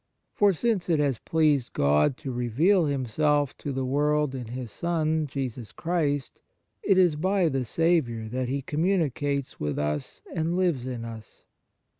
For, since it has pleased God to reveal Himself to the world in His Son, Jesus Christ, it is by the Saviour that He communicates with us and lives in us.